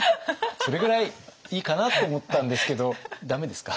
それぐらいいいかなと思ったんですけど駄目ですか？